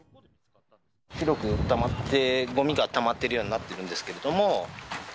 白くたまって、ごみがたまってるようになってるんですけども。